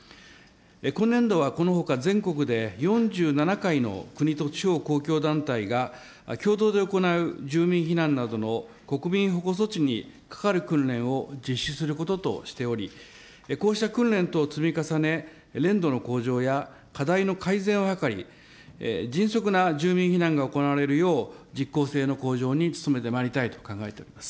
今年度はこのほか、全国で４７回の国と地方公共団体が共同で行う住民避難などの国民保護措置にかかる訓練を実施することとしており、こうした訓練等を積み重ね、練度の向上や課題の改善を図り、迅速な住民避難が行われるよう、実行性の向上に努めてまいりたいと考えております。